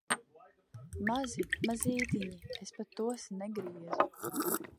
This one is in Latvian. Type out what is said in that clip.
Mazi, mazītiņi, es pat tos negriezu.